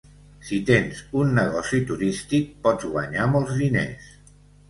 Si tens un negoci turístic, pots guanyar molts diners.